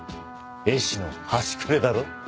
絵師の端くれだろ？